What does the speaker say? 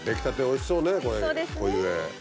おいしそうですね。